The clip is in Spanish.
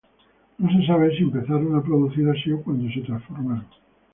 No se sabe si se empezaron a producir así o cuando se transformaron.